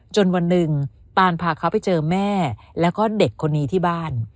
วันหนึ่งตานพาเขาไปเจอแม่แล้วก็เด็กคนนี้ที่บ้าน